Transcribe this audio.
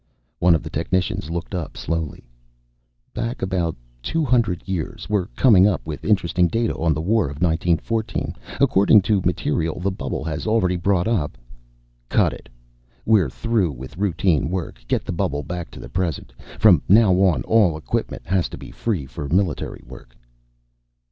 One of the technicians looked slowly up. "Back about two hundred years. We're coming up with interesting data on the War of 1914. According to material the bubble has already brought up " "Cut it. We're through with routine work. Get the bubble back to the present. From now on all equipment has to be free for Military work."